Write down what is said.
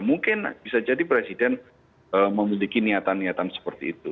mungkin bisa jadi presiden memiliki niatan niatan seperti itu